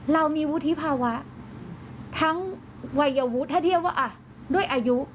เรามีวุฒิภาวะทั้งวัยวุฒิถ้าเทียบว่าด้วยอายุ